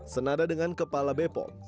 senada dengan kepala bepom